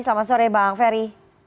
selamat sore bang ferry